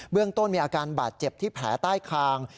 เรื่องต้นมีอาการบาดเจ็บที่แผลใต้คาง